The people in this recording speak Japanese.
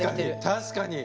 確かに！